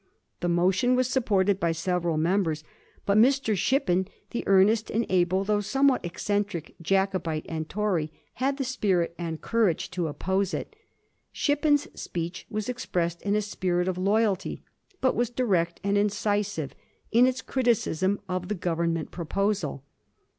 The motion was supported by several members, but Mr. Shippen, the earnest and able, though somewhat eccentric, Jacobite and Tory, had the spirit and courage to oppose it. Shippen's speech was expressed in a spirit of loyalty, but was direct and incisive in its criticism of the Govern ment proposal.